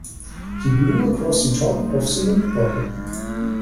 He blew across the top of the milk bottle